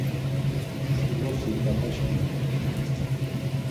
Si vrosi ǩataşǩimi ore, ya.